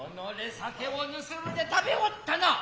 酒を盗うで呑おったな。